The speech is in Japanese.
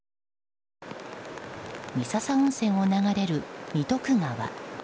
三朝温泉を流れる三徳川。